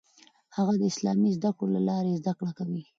هغه د اسلامي زده کړو له لارې زده کړه کوي.